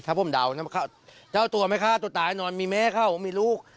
ถ้าผมดาวเนี่ยเจ้าตัวไหมค่ะตัวตายนอนมีแม่เข้ามีลูก